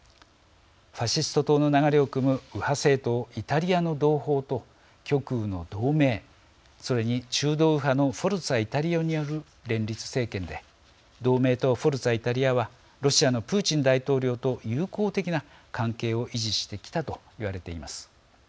ファシスト党の流れをくむ右派政党・イタリアの同胞と極右の同盟それに中道右派のフォルツァ・イタリアによる連立政権で同盟とフォルツァ・イタリアはロシアのプーチン大統領と友好的な関係を維持してきたと言われています。